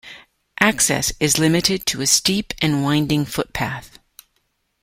Access is limited to a steep and winding footpath.